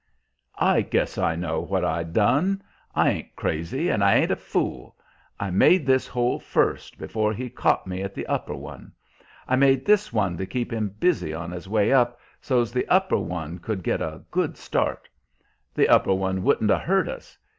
"I guess I know what I done. I ain't crazy, and I ain't a fool. I made this hole first, before he caught me at the upper one. I made this one to keep him busy on his way up, so's the upper one could get a good start. The upper one wouldn't 'a' hurt us.